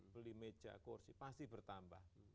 beli meja kursi pasti bertambah